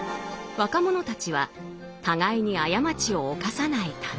若者たちは互いに過ちを犯さないため。